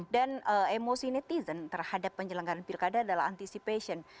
dan emosi netizen terhadap penjelangkan pilkada adalah anticipation